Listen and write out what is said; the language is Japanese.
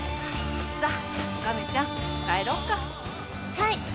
はい！